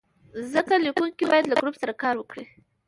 ځکه لیکونکی باید له ګروپ سره کار وکړي.